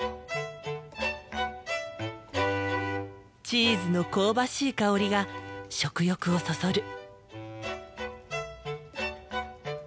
チーズの香ばしい香りが食欲をそそる。